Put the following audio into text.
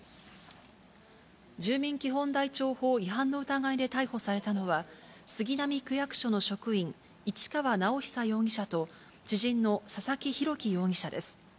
住民基本台帳法違反の疑いで逮捕されたのは、杉並区役所の職員、市川直央容疑者と知人の佐々木洋樹容疑者です。